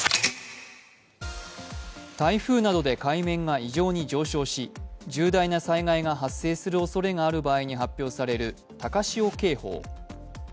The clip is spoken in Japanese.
台風などで海面が異常に上昇し、重大な災害が発生するおそれがある場合に発表される高潮警報。